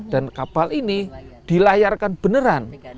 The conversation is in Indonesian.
dan kapal ini dilayarkan beneran